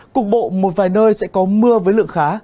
cục bộ một vài nơi sẽ có mưa với lượng khá